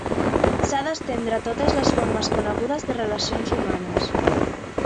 S'ha d'estendre a totes les formes conegudes de relacions humanes.